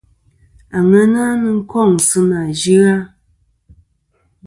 Àŋena nɨn kôŋ sɨ nà yɨ-a.